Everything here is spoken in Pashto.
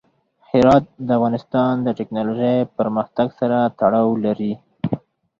هرات د افغانستان د تکنالوژۍ پرمختګ سره تړاو لري.